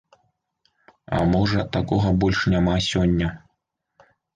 А можа, такога больш няма сёння?